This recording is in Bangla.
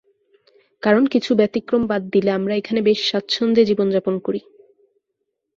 কারণ, কিছু ব্যতিক্রম বাদ দিলে আমরা এখানে বেশ স্বাচ্ছন্দ্যে জীবন যাপন করি।